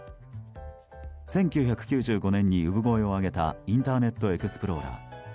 １９９５年に産声を上げたインターネットエクスプローラー。